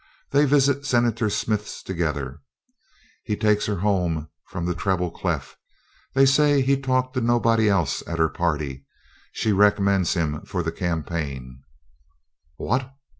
"They visit Senator Smith's together; he takes her home from the Treble Clef; they say he talked to nobody else at her party; she recommends him for the campaign " "What!"